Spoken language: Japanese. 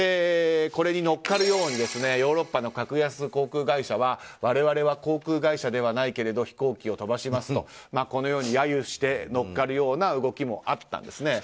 これに乗っかるようにヨーロッパの格安航空会社は我々は航空会社ではないけれど飛行機を飛ばしますとこのように揶揄して乗っかるような動きもあったんです。